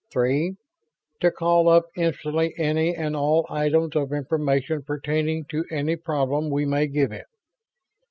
Three, to call up instantly any and all items of information pertaining to any problem we may give it.